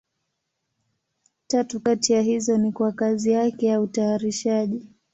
Tatu kati ya hizo ni kwa kazi yake ya utayarishaji.